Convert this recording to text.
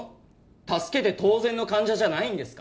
助けて当然の患者じゃないんですか？